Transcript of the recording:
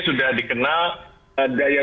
sudah dikenal daya